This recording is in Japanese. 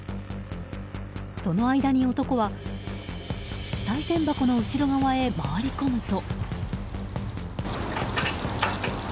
その間に男はさい銭箱の後ろ側へ回り込むと。